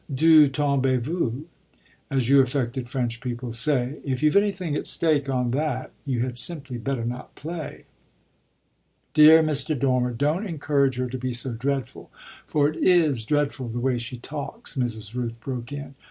"D'où tombez vous? as you affected French people say. If you've anything at stake on that you had simply better not play." "Dear Mr. Dormer, don't encourage her to be so dreadful; for it is dreadful, the way she talks," Mrs. Rooth broke in.